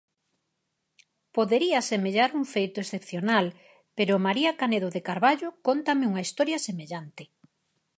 Podería semellar un feito excepcional, pero María Canedo de Carballo cóntame unha historia semellante.